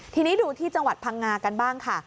ทีนี้ดูที่จังหวัดพังงากันบ้างค่ะ